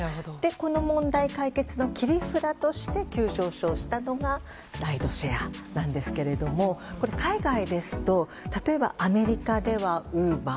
この問題解決の切り札として急上昇したのがライドシェアなんですけれども海外ですと例えばアメリカではＵｂｅｒ